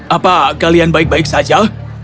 apa kalian baik baik saja